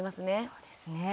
そうですね。